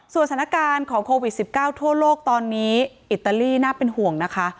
สถานการณ์ของโควิด๑๙ทั่วโลกตอนนี้อิตาลีน่าเป็นห่วงนะคะ